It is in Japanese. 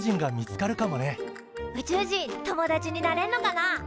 宇宙人友達になれんのかな？